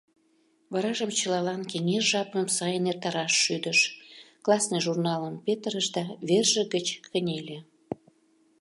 Варажым чылалан кеҥеж жапым сайын эртараш шӱдыш, классный журналым петырыш да верже гыч кынеле.